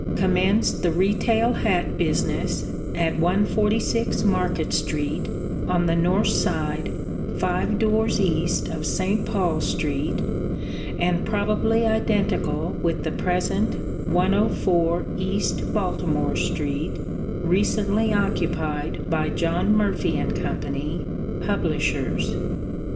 commenced the retail hat business at 146 Market street, on the north side, five doors east of St. Paul street, and probably identical with the present 104 East Baltimore street, recently occupied by John Murphy & Co., Publishers.